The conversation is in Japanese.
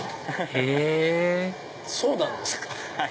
へぇそうなんですか。